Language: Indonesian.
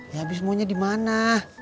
ya habis maunya di mana